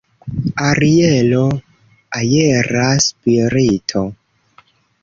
Arielo, aera spirito.